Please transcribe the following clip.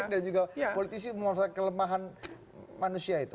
dan juga politisi menguasai kelemahan manusia itu